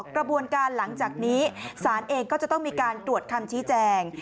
กระบวนการหลังจากนี้ศาลเองก็จะต้องมีการตรวจคำชี้แจง